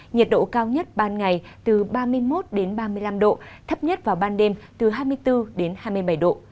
nhiệt độ cao nhất ban ngày từ ba mươi một ba mươi năm độ thấp nhất vào ban đêm từ hai mươi bốn hai mươi bảy độ